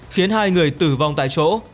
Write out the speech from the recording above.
khiến hai người tử vong tại chỗ